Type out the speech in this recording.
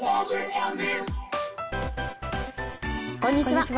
こんにちは。